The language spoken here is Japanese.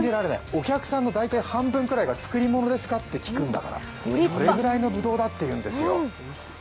お客さんの大体、半分ぐらいが作り物ですかって聞くんだから、それぐらいのぶどうってことですよ。